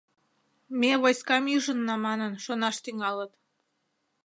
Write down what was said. — Ме войскам ӱжынна манын, шонаш тӱҥалыт...